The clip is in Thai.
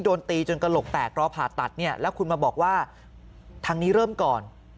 โดนตีจนกระโหลกแตกรอผ่าตัดเนี่ยแล้วคุณมาบอกว่าทางนี้เริ่มก่อน